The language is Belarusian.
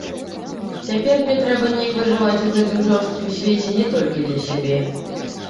Цяпер мне трэба неяк выжываць у гэтым жорсткім свеце не толькі для сябе.